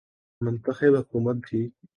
منتخب حکومت تھی۔